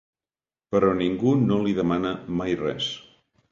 Però ningú no li demana mai res.